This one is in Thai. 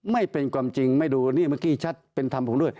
ไม่เป็นความจริงไม่ดูนี่เมื่อกี้ชัดเป็นธรรมผมด้วย